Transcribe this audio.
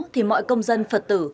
thì mọi công dân phật tử